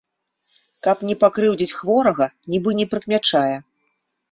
Каб не пакрыўдзіць хворага, нібы не прыкмячае.